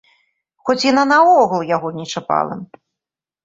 Хоць яна наогул яго не чапала!